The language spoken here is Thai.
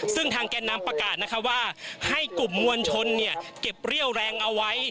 ซึ่งทางแก่นำประกาศนะคะว่าให้กลุ่มมวลชนเก็บเรี่ยวแรงเอาไว้